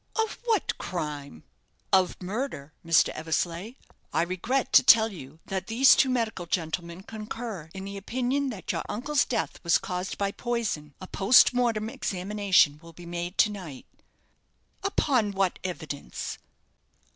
"Of what crime?" "Of murder, Mr. Eversleigh. I regret to tell you that these two medical gentlemen concur in the opinion that your uncle's death was caused by poison. A post mortem examination will be made to night." "Upon what evidence?"